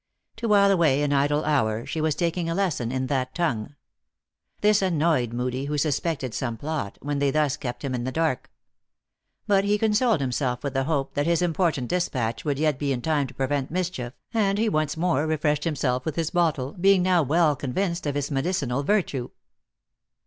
To while away an idle hour, slie was taking a lesson in that tongue. This annoyed Moodie, who suspected some plot, when they thus kept him in the dark. But he consoled himself with the hope that his important dispatch would yet be in time to prevent mischief, and he once more refreshed himself with his bottle, being now well convinced of its medicinal virtue.